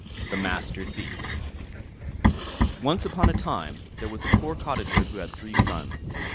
THE MASTER THIEF Once upon a time there was a poor cottager who had three sons.